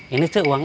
ini c uangnya